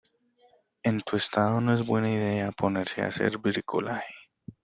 en tu estado no es buena idea ponerse a hacer bricolaje.